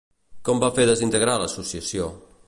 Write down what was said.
Com va fer desintegrar l'associació?